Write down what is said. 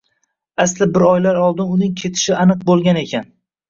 Asli bir oylar oldin uning ketishi aniq bo`lgan ekan